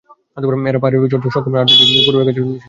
এরা পাহাড়ে চড়তে সক্ষম নয় আর তুমি পূর্বে একাজ করতে নিষেধ করেছিলে।